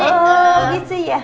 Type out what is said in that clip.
oh gitu ya